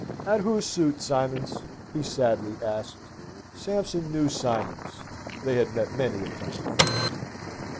"At whose suit, Simons?" he sadly asked. Sampson knew Simons: they had met many a time before.